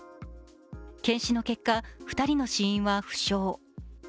検視の結果、２人の死因は不詳。